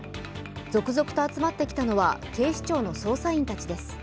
続々と集まってきたのは警視庁の捜査員たちです。